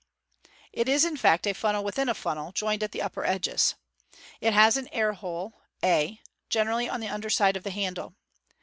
It is, in fact, a funnel 'within a funnel, joined at the upper edges. (See Fig. 210.) It has an air hole, a, generally on the under side of the handle.